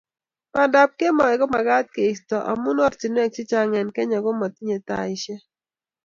Bandap kemboi komagat keisto amu oratinwek chechang eng Kenya komotinye taisiek